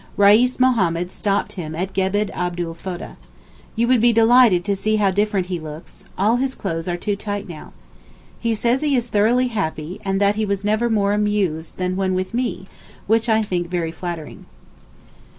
Reis Mohammed stopped him at Gebel Abu'l Foda. You would be delighted to see how different he looks; all his clothes are too tight now. He says he is thoroughly happy, and that he was never more amused than when with me, which I think very flattering.